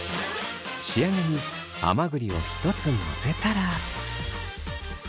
仕上げに甘栗を１つのせたら。